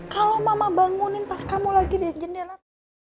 kalau mama bangun tas kamu lagi di jend milan